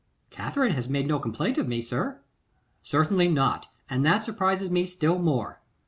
'Katherine has made no complaint of me, sir?' 'Certainly not, and that surprises me still more.